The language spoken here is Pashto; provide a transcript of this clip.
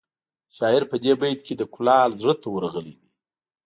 شاعر په دې بیت کې د کلال زړه ته ورغلی دی